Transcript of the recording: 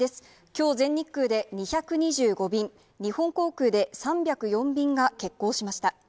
きょう全日空で２２５便、日本航空で３０４便が欠航しました。